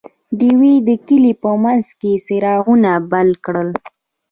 ډیوې د کلي په منځ کې څراغونه بل کړل.